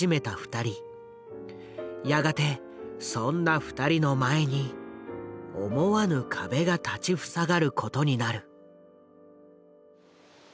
やがてそんな二人の前に思わぬ壁が立ち塞がることになる。